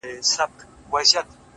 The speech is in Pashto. خداى نه چي زه خواست كوم نو دغـــه وي ـ